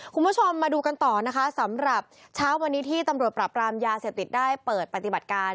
คุณผู้ชมมาดูกันต่อนะคะสำหรับเช้าวันนี้ที่ตำรวจปรับรามยาเสพติดได้เปิดปฏิบัติการ